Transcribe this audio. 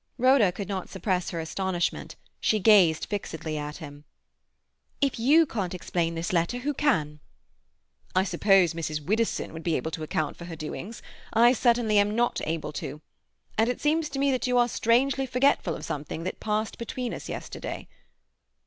Rhoda could not suppress her astonishment; she gazed fixedly at him. "If you can't explain this letter, who can?" "I suppose Mrs. Widdowson would be able to account for her doings. I certainly am not able to. And it seems to me that you are strangely forgetful of something that passed between us yesterday."